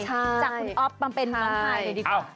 จากคุณออฟบำเป็นบำไพดีกว่า